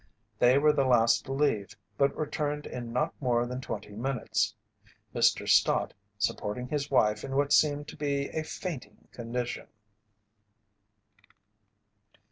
They were the last to leave but returned in not more than twenty minutes, Mr. Stott supporting his wife in what seemed to be a fainting condition.